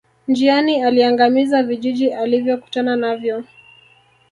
Njiani aliangamiza vijiji alivyokutana navyo